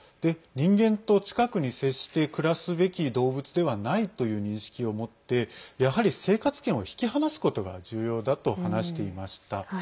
人間と近くに接して暮らすべき動物ではないという認識を持ってやはり生活圏を引き離すことが重要だと話していました。